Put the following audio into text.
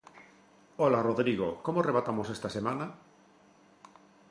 Ola, Rodrigo, como rematamos esta semana?